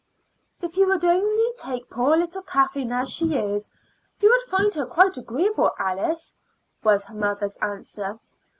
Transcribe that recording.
"If you would only take poor little Kathleen as she is, you would find her quite agreeable, Alice," was her mother's answer.